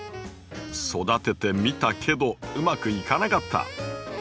「育ててみたけどうまくいかなかった」。